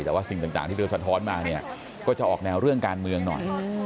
แต่ว่าสิ่งต่างที่เดินสะท้อนมาเนี่ยก็จะออกแนวเรื่องการเมืองหน่อย